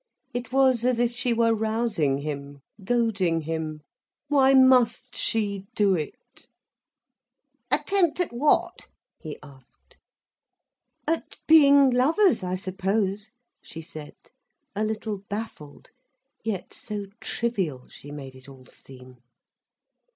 It was as if she were rousing him, goading him. Why must she do it? "Attempt at what?" he asked. "At being lovers, I suppose," she said, a little baffled, yet so trivial she made it all seem.